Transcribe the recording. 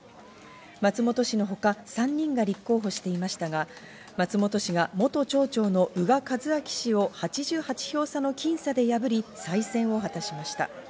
松本氏のほか、３人が立候補していましたが、松本氏が元町長の宇賀一章氏を８８票差の僅差で破り、再選を果たしました。